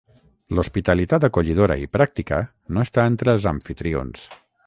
L'hospitalitat acollidora i pràctica no està entre els amfitrions.